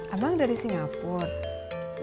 abang dari singapura